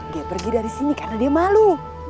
dia pergi dari sini karena dia malu